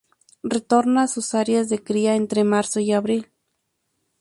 Retorna a sus áreas de cría entre marzo y abril.